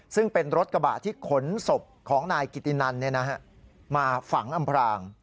ซึ่งเป็นรถกระบะที่ขนศพของนายกิตินันมาฝังอำพราง